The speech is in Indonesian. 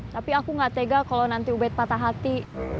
tapi aku gak tega kalau nanti ubed patah hati